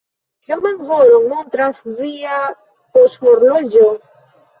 Kioman horon montras via poŝhorloĝo?